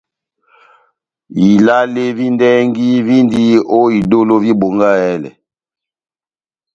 Ilale vi ndɛhɛgi víndi ó idólo vi Bongahɛlɛ.